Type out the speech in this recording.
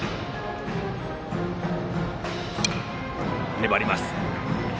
粘ります。